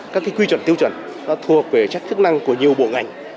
các cái quy chuẩn tiêu chuẩn nó thuộc về các chức năng của nhiều bộ ngành